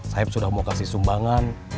saya sudah mau kasih sumbangan